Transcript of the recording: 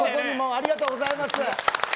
ありがとうございます。